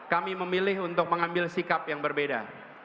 kami memilih untuk mengambil sikap yang berbeda